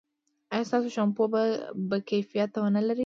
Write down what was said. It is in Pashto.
ایا ستاسو شامپو به کیفیت و نه لري؟